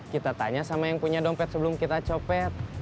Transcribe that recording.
kita tanya sama yang punya dompet sebelum kita copet